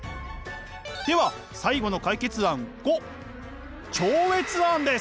では最後の解決案⑤超越案です！